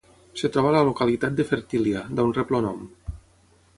Es troba a la localitat de Fertília, d'on rep el nom.